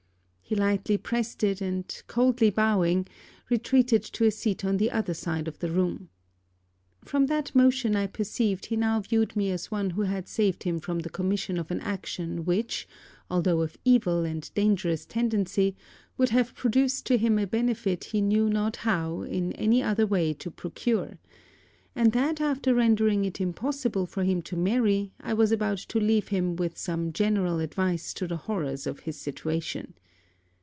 He lightly pressed it; and coldly bowing, retreated to a seat on the other side of the room. From that motion, I perceived he now viewed me as one who had saved him from the commission of an action which, although of evil and dangerous tendency, would have produced to him a benefit he knew not how, in any other way to procure; and that after rendering it impossible for him to marry, I was about to leave him with some general advice to the horrors of his situation.